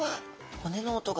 骨の音が。